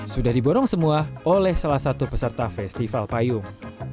sudah diborong semua oleh salah satu peserta festival payung